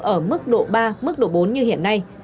ở mức độ ba mức độ bốn như hiện nay